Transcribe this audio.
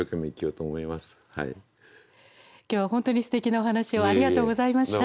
今日は本当にすてきなお話をありがとうございました。